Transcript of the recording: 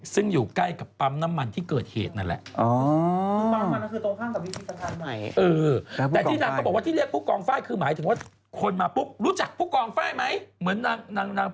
ซึ่งอยู่ใกล้กับปั๊มน้ำมันที่เกิดเหตุนั่นแหละ